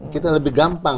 kita lebih gampang